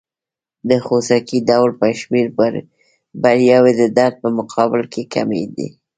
د خوسکي ډول په شمېر بریاوې د درد په مقابل کې کمې دي.